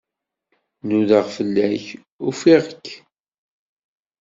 Nudaɣ fell-ak, ufiɣ-k.